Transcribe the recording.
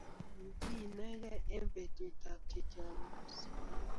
Ki mi inegei eng betut ab chechamdos